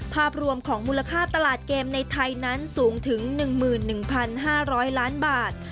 ภาพรวมของมูลค่าตลาดเกมในไทยนั้นสูงถึง๑๑๕๐๐ล้านบาท